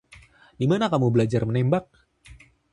Di mana kamu belajar menembak?